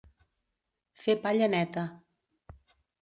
Fer palla neta.